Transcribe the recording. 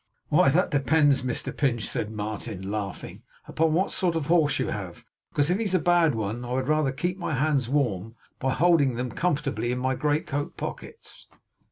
'Why, that depends, Mr Pinch,' said Martin, laughing, 'upon what sort of a horse you have. Because if he's a bad one, I would rather keep my hands warm by holding them comfortably in my greatcoat pockets.